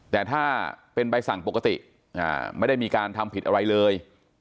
แต่ถ้าเป็นใบสั่งปกติไม่ได้มีการทำผิดอะไรเลย